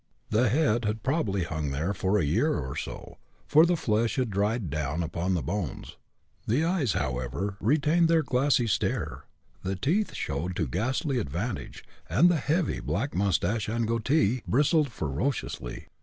The head had probably hung there for a year or so, for the flesh had dried down upon the bones. The eyes, however, retained their glassy stare, the teeth showed to ghastly advantage, and the heavy black mustache and goatee bristled ferociously.